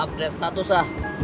update status ya